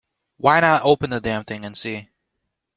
Why not open the damn thing and see?